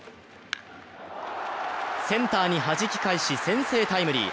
センターにはじき返し、先制タイムリー。